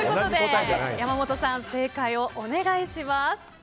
山本さん、正解をお願いします。